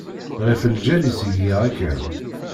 Ɣef lǧal-is i giɣ akken.